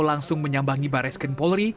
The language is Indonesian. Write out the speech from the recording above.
langsung menyambangi bareskrim polri